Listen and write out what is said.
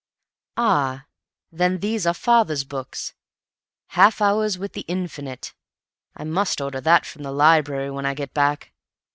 "Ah, then these are Father's books. 'Half Hours with the Infinite'—I must order that from the library when I get back.